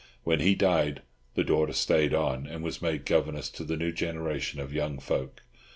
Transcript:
When he died, the daughter still stayed on, and was made governess to the new generation of young folk.